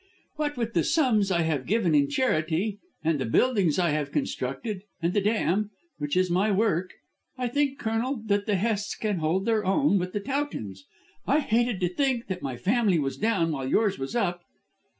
What with the sums I have given in charity and the buildings I have constructed, and the dam, which is my work, I think, Colonel, that the Hests can hold their own with the Towtons. I hated to think that my family was down while yours was up."